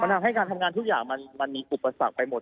ทำให้การทำงานทุกอย่างมันมีอุปสรรคไปหมด